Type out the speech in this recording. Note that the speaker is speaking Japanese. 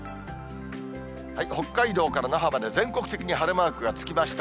北海道から那覇まで全国的に晴れマークがつきました。